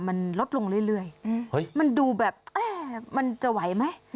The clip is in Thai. มันลดลงเรื่อยมันดูแบบมันจะไหวไหม